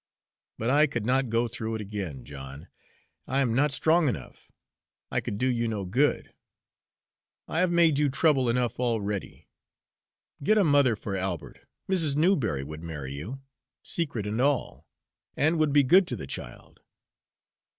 But I could not go through it again, John; I am not strong enough. I could do you no good; I have made you trouble enough already. Get a mother for Albert Mrs. Newberry would marry you, secret and all, and would be good to the child.